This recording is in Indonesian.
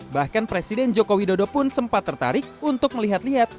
bahkan presiden joko widodo pun sempat tertarik untuk melihat lihat